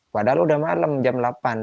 padahal udah malam jam delapan